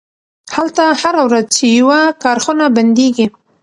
هلته هره ورځ یوه کارخونه بندیږي